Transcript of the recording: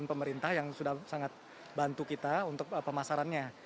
pemerintah yang sudah sangat bantu kita untuk pemasarannya